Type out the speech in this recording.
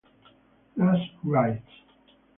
Last Rites